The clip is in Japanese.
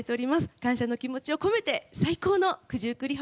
感謝の気持ちを込めて最高の「九十九里浜」。